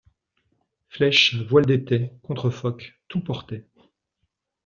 Flèches, voiles d’étais, contre-foc, tout portait